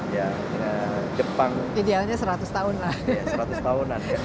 idealnya seratus tahun lah